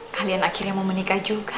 kalian akhirnya mau menikah juga